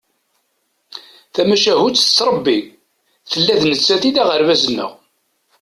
Tamacahut tettrebbi, tella d nettat i d aɣerbaz-nneɣ.